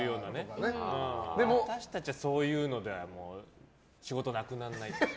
私たちはそういうのでは仕事はなくならないって。